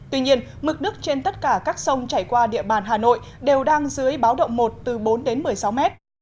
tuy nhiên mực nước trên tất cả các sông chảy qua địa bàn hà nội đều đang dưới báo động một từ bốn đến một mươi sáu m